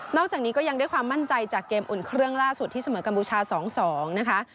จากนี้ก็ยังได้ความมั่นใจจากเกมอุ่นเครื่องล่าสุดที่เสมอกัมพูชา๒๒นะคะ